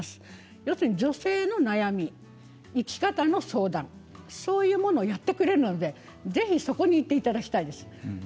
要するに女性の悩み生き方の相談そういうものをやってくれるのでぜひ、そこに行っていただきたいです。